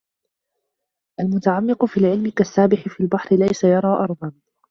الْمُتَعَمِّقُ فِي الْعِلْمِ كَالسَّابِحِ فِي الْبَحْرِ لَيْسَ يَرَى أَرْضًا